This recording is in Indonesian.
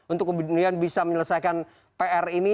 untuk kemudian bisa menyelesaikan pr ini